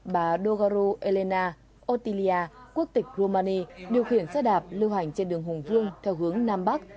bà dogaru elena otilia quốc tịch romani điều khiển xe đạp lưu hành trên đường hùng vương theo hướng nam bắc